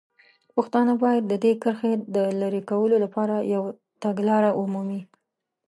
پښتانه باید د دې کرښې د لرې کولو لپاره یوه تګلاره ومومي.